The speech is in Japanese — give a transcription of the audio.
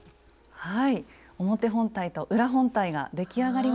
はい。